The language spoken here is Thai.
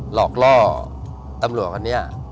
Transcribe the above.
หลอกล่อตำรวจคนนี้